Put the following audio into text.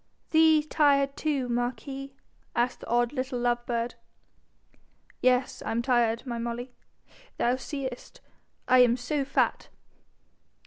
'Thee tired too, marquis?' asked the odd little love bird. 'Yes, I am tired, my Molly. Thou seest I am so fat.'